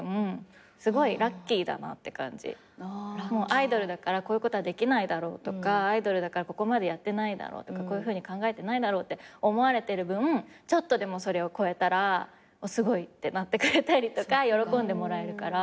「アイドルだからこういうことはできないだろう」とか「アイドルだからここまでやってないだろう」とか「こういうふうに考えてないだろう」って思われてる分ちょっとでもそれを超えたら「すごい」ってなってくれたりとか喜んでもらえるから。